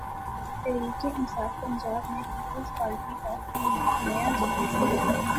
تحریک انصاف پنجاب میں Peoples Party کا نیا ظہور ہے۔